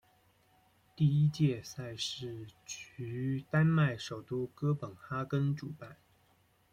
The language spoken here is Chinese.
第一届赛事于丹麦首都哥本哈根主办。